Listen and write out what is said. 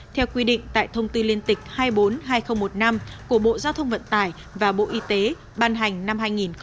theo quy định tại thông tư liên tịch hai trăm bốn mươi hai nghìn một mươi năm của bộ giao thông vận tải và bộ y tế ban hành năm hai nghìn một mươi bảy